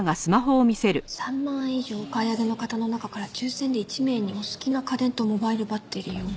「３万円以上お買い上げの方の中から抽選で１名にお好きな家電とモバイルバッテリーを」